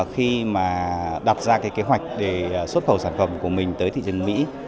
khi mà đặt ra cái kế hoạch để xuất khẩu sản phẩm của mình tới thị trường mỹ